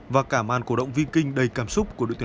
và cả màn cổ động vi kinh đầy cảm xúc của đội tuyển iceland nữa